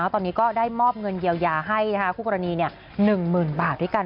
ตอนนี้ก็ได้มอบเงินเยียวยาให้คู่กรณี๑๐๐๐บาทด้วยกัน